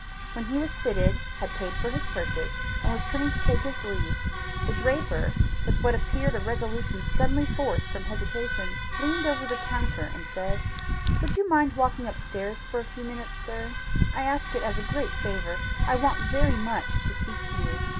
When he was fitted, had paid for his purchase, and was turning to take his leave, the draper, with what appeared a resolution suddenly forced from hesitation, leaned over the counter and said: "Would you mind walking up stairs for a few minutes, sir? I ask it as a great favour. I want very much to speak to you."